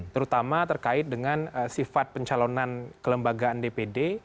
terutama terkait dengan sifat pencalonan kelembagaan dpd